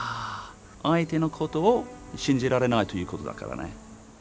相手のことを信じられないということだからね。